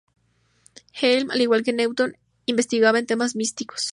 Heim, al igual que Newton, investigaba en temas místicos.